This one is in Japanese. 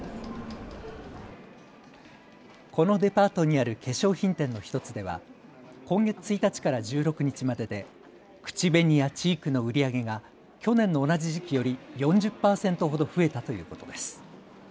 このデパートにある化粧品店の１つでは今月１日から１６日までで口紅やチークの売り上げが去年の同じ時期より４０％ほど増えたということです。